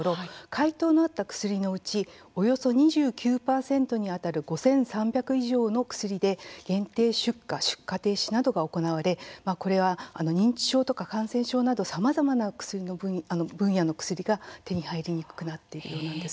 回答のあった薬のうちおよそ２９％にあたる５３００以上の薬で、限定出荷出荷停止などが行われこれは認知症とか感染症など、さまざまな分野の薬が手に入りにくくなっているようです。